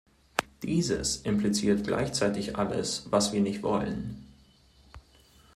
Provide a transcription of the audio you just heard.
Dieses impliziert gleichzeitig alles, was wir nicht wollen.